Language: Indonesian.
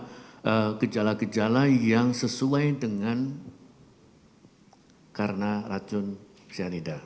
ada gejala gejala yang sesuai dengan karena racun cyanida